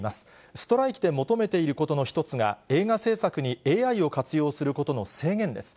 ストライキで求めていることの一つが、映画製作にＡＩを活用することの制限です。